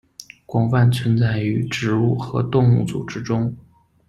广泛存在于植物和动物组织中。